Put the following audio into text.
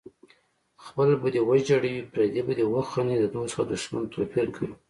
خپل به دې وژړوي پردی به دې وخندوي د دوست او دښمن توپیر کوي